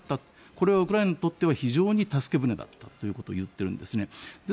これはウクライナにとっては非常に助け舟だったと言っているんですね。